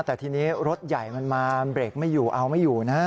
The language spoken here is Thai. แต่ทีนี้รถใหญ่มันมาเบรกไม่อยู่เอาไม่อยู่นะ